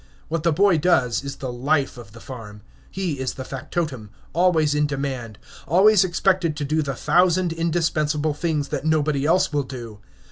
What the boy does is the life of the farm. He is the factotum, always in demand, always expected to do the thousand indispensable things that nobody else will do.